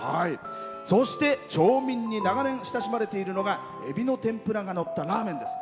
そして、町民に長年親しまれているのがえびの天ぷらがのったラーメンです。